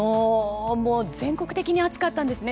全国的に暑かったんですね。